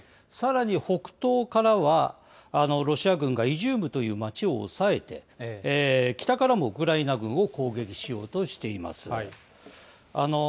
さらに北東からは、ロシア軍がイジュームという町を抑えて、北からもウクライナ軍を攻撃しようとしています。